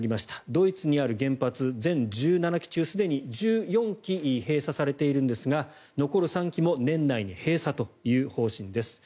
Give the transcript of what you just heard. ドイツにある原発全１７基中すでに１４基閉鎖されているんですが残る３基も年内に閉鎖という方針です。